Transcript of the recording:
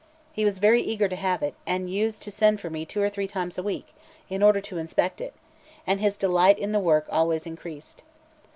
He was very eager to have it, and used to send for me two or three times a week, in order to inspect it; and his delight in the work always increased.